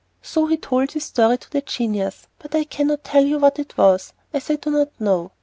So he told his story to the genius, but I cannot tell you what it was, as I do not know.